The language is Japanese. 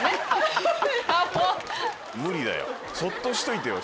無理だよそっとしといてよ